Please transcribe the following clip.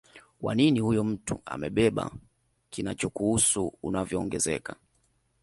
wa nini huyo mtu amebeba kinachokuhusu unavyoongezeka